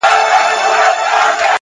خاموش سکوت ذهن ژوروي!.